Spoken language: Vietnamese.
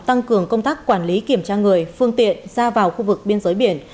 tăng cường công tác quản lý kiểm tra người phương tiện ra vào khu vực biên giới biển